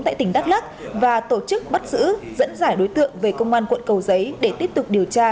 tại tỉnh đắk lắc và tổ chức bắt giữ dẫn giải đối tượng về công an quận cầu giấy để tiếp tục điều tra